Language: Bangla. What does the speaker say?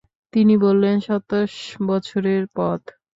তিনি বললেনঃ সাতশ বছরের পথ।